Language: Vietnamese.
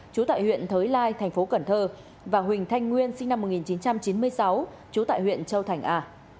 trú tại huyện thới lai thành phố cần thơ và huỳnh thanh nguyên sinh năm một nghìn chín trăm chín mươi sáu trú tại huyện châu thành a